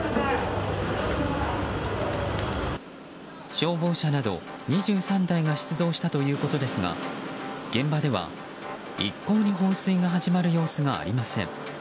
消防車など２３台が出動したということですが現場では一向に放水が始まる様子がありません。